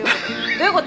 どういう事！？